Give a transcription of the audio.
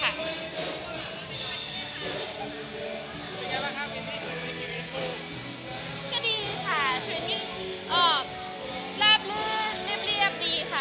แปลบเลื่อนเรียบดีค่ะ